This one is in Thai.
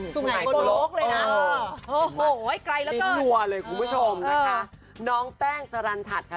สนัยกุโรคเลยนะโอ้โฮไอ้ใกล้แล้วก็อ่ะคุณผู้ชมนะคะน้องแป้งสรันชัดค่ะ